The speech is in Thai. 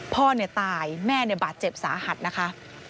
พ่อเนี่ยตายแม่เนี่ยบาดเจ็บสาหัสนะคะ